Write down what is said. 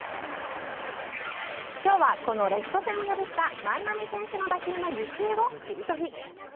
今日は、このレフト線を破った万波選手の打球の行方をキリトリ。